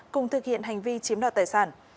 cùng thực hiện hành vi chiếm đoạt tài sản